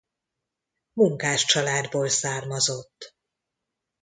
Munkáscsaládból származott.